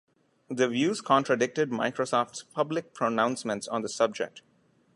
These views contradicted Microsoft's public pronouncements on the subject.